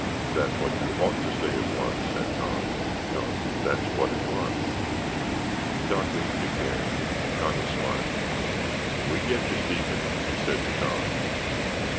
"That's what you ought to say it was," said Tom, "because that's what it was." Doc winked at Garry, and Connie smiled. "We get you, Steven," he said to Tom.